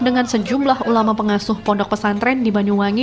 dengan sejumlah ulama pengasuh pondok pesantren di banyuwangi